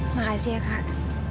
makasih ya kak